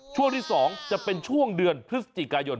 ช่วงที่๒จะเป็นช่วงเดือนพฤศจิกายน